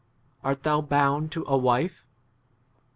Art thou bound to a wife